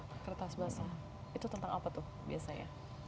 kertas basah itu tentang apa tuh biasanya